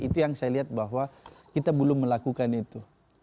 itu yang saya lihat bahwa kita belum melakukan itu